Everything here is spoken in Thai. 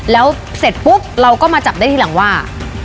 แล้วเสร็จปุ๊บเราก็มาจับได้ทีหลังว่า